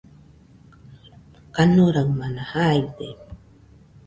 kanoraɨmana jaide